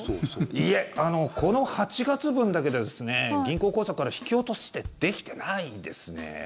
いえ、この８月分だけ銀行口座から引き落としってできてないんですね。